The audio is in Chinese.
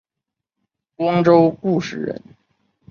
光州固始人。